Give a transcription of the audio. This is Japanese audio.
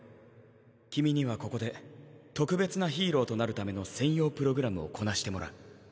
君にはここで特別なヒーローとなる為の専用プログラムをこなしてもらう。